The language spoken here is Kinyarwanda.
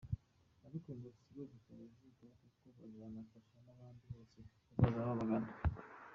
Ariko ngo si bo gusa bazitaho kuko bazanafasha n’abandi bose bazaza babagana.